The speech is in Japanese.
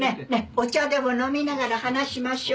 お茶でも飲みながら話しましょう。